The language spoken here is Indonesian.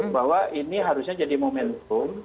bahwa ini harusnya jadi momentum